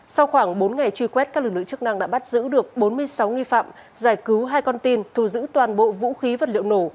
sau khoảng bốn ngày truy quét các lực lượng chức năng đã bắt giữ được bốn mươi sáu nghi phạm giải cứu hai con tin thu giữ toàn bộ vũ khí vật liệu nổ